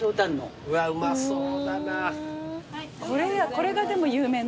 これがでも有名なんだ。